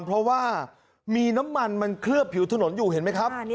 เพราะว่ามีน้ำมันมันเคลือบผิวถนนอยู่เห็นไหมครับ